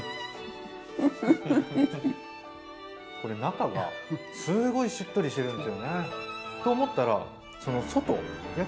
これ中がすごいしっとりしてるんですよね。と思ったらその外焼けてる部分が。